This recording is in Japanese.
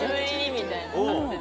みたいな感じで。